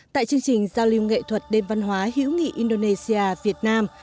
tại chương trình giao lưu nghệ thuật đêm văn hóa hữu nghị indonesia việt nam